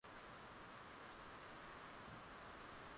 kila mtu alitaka kuwa miongoni mwa waliokolewa